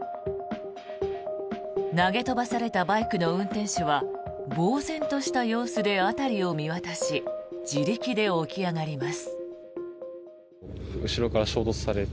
投げ飛ばされたバイクの運転手はぼうぜんとした様子で辺りを見渡し自力で起き上がります。